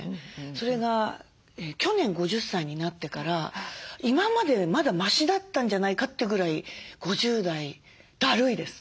それが去年５０歳になってから今までまだましだったんじゃないかというぐらい５０代だるいです。